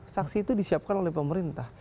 sanksi itu disiapkan oleh pemerintah